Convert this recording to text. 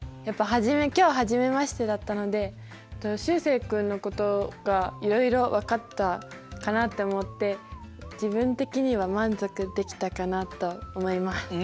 やっぱ今日初めましてだったのでしゅうせい君のことがいろいろ分かったかなって思って自分的には満足できたかなと思います。